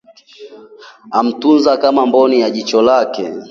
Alimtunza kama mboni ya jicho lake